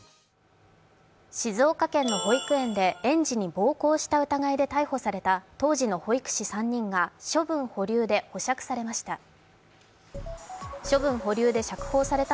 静岡県の保育園で園児に暴行した疑いで逮捕された当時の保育士３人が処分保留で保釈されました。